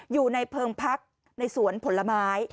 อยู่ในเพิงพักในสวนผลไม้